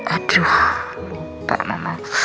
aduh lupa mama